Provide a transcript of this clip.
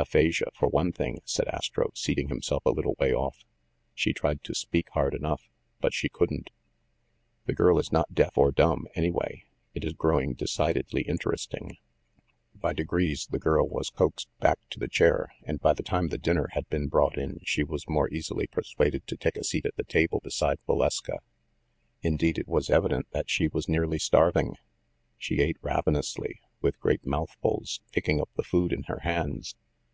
"Aphasia, for one thing," said Astro, seating him self a little way off. "She tried to speak hard enough ; but she couldn't. The girl is not deaf or dumb, any way. It is growing decidedly interesting." By degrees the girl was coaxed back to the chair, and by the time the dinner had been brought in she was more easily persuaded to take a seat at the table beside Valeska. Indeed, it was evident that she was nearly starving. She ate ravenously, with great mouth fuls, picking up the food in her hands.